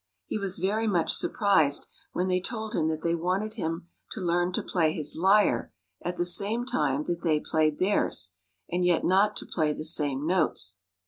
He was very much surprised when they told him that they wanted him to learn to play his lyre at the same time that they played theirs, and yet not to play the same notes.